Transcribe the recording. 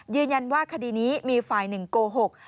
ยืนยันว่าคดีนี้มีฝ่ายหนึ่งโกหก